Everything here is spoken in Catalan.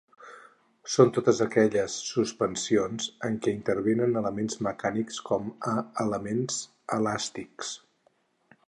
Són totes aquelles suspensions en què intervenen elements mecànics com a elements elàstics.